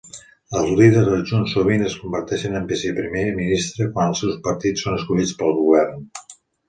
Els líders adjunts sovint es converteixen en viceprimer ministre quan els seus partits són escollits per al Govern.